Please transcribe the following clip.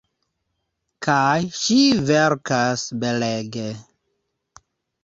Kaj ŝi verkas belege.